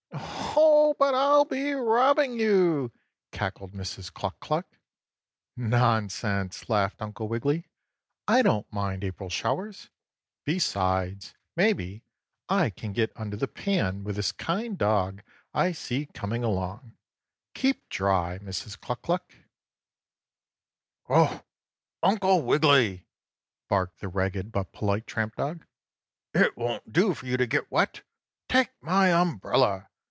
"Oh, but I'll be robbing you!" cackled Mrs. Cluck Cluck. "Nonsense!" laughed Uncle Wiggily. "I don't mind April showers. Besides, maybe, I can get under the pan with this kind dog I see coming along. Keep dry, Mrs. Cluck Cluck!" 6. "Oh, Uncle Wiggily!" barked the ragged but polite tramp dog. "It won't do for you to get wet. Take my umbrella!